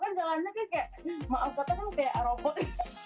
kalau nurul kan jalannya kayak maaf kata kan kayak aerobot